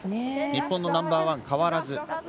日本のナンバーワン、変わらず。